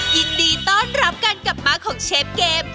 ยินดีต้อนรับการกลับมาของเชฟเกม